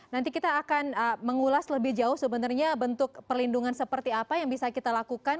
nanti kita akan mengulas lebih jauh sebenarnya bentuk perlindungan seperti apa yang bisa kita lakukan